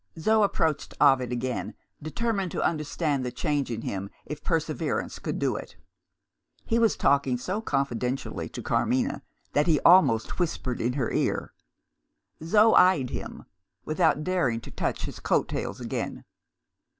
Zo approached Ovid again, determined to understand the change in him if perseverance could do it. He was talking so confidentially to Carmina, that he almost whispered in her ear. Zo eyed him, without daring to touch his coat tails again.